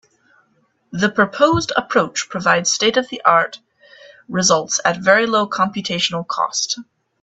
The proposed approach provides state-of-the-art results at very low computational cost.